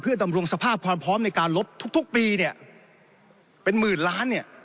ดำรงสภาพความพร้อมในการลบทุกปีเนี่ยเป็นหมื่นล้านเนี่ย